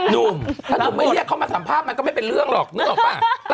หนุ่มถ้านุ่มไม่เรียกเขามาสัมภาษณ์มันก็ไม่เป็นเรื่องหรอกนึกออกป่ะ